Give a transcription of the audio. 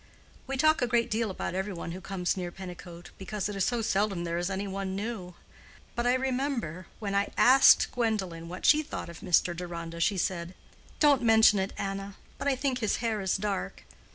We talk a great deal about every one who comes near Pennicote, because it is so seldom there is any one new. But I remember, when I asked Gwendolen what she thought of Mr. Deronda, she said, 'Don't mention it, Anna: but I think his hair is dark.